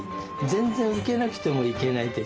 全然ウケなくてもいけないって。